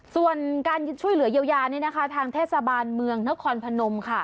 ส่วนการช่วยเหลือเยียวยานี่นะคะทางเทศบาลเมืองนครพนมค่ะ